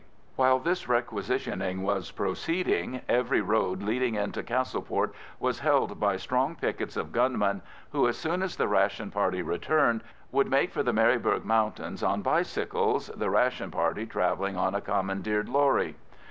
While this requisitioning was proceeding every road leading into Castleport was held by strong pickets of gunmen, who, as soon as the ration party returned, would make for the Maryburgh Mountains on bicycles, the ration party travelling on a commandeered lorry.